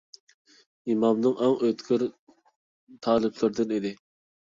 ئىمامنىڭ ئەڭ ئۆتكۈر تالىپلىرىدىن ئىدى.